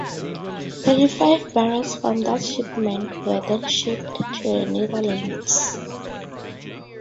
Thirty-five barrels from that shipment were then shipped to the Netherlands.